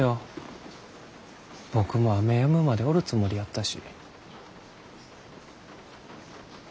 僕も雨やむまでおるつもりやったし。